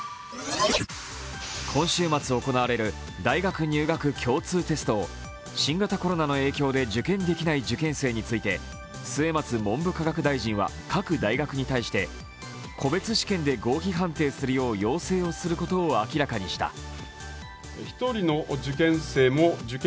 今週末行われる大学入学共通テストを新型コロナの影響で受験できない受験生について、末松文部科学大臣は各大学に対して個別試験で合否判定するよう要請することを明らかにした。